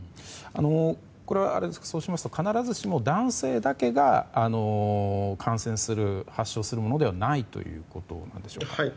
これは、そうしますと必ずしも男性だけが感染する、発症するものではないということですか？